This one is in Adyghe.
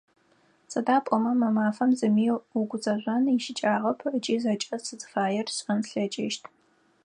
Сыда пӏомэ мы мафэм зыми угузэжъон ищыкӏагъэп ыкӏи зэкӏэ сызыфаер сшӏэн слъэкӏыщт.